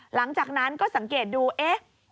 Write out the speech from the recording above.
หลังจากนั้นก็สังเกตดูเอ๊ะ